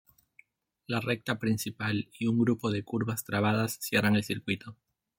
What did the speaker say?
La recta principal y un grupo de curvas trabadas cierran el circuito.